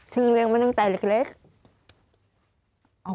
ถึงเิงมาตั้งแต่เล็ก